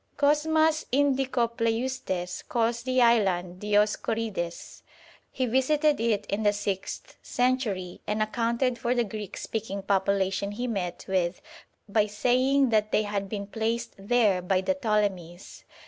Cosmas Indicopleustes calls the island Dioscorides. He visited it in the sixth century, and accounted for the Greek speaking population he met with by saying that they had been placed there by the Ptolemies.